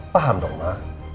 paham dong ma